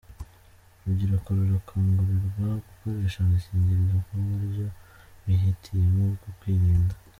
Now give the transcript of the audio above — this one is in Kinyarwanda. Urubyiruko rurakangurirwa gukoresha agakingirizo nk’uburyo bihitiyemo bwo kwirinda.